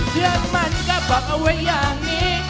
เพื่อนมันก็บอกเอาไว้อย่างนี้